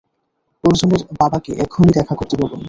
অর্জুনের বাবাকে এখনই দেখা করতে বলুন।